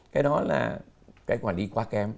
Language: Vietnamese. cái đó là cách quản lý quá kém